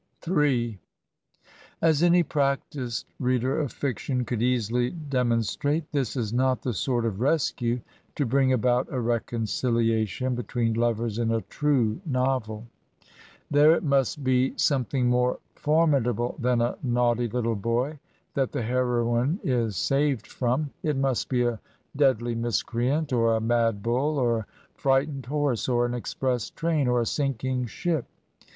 " in As any practised reader of fiction could easily de monstrate, this is not the sort of rescue to bring about a reconciliation between lovers in a trtie novel. There it 54 Digitized by VjOOQIC ANNE ELLIOT AND CATHARINE MORLAND must be something more formidable than a naughty little boy that the heroine is saved from : it must be a deadly miscreant, or a mad bull, or a frightened horse, or an express train, or a sinking ship.